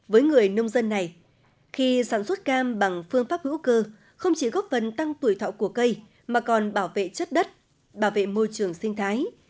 với người nông dân này khi sản xuất cam bằng phương pháp hữu cơ không chỉ góp phần tăng tuổi thọ của cây mà còn bảo vệ chất đất bảo vệ môi trường sinh thái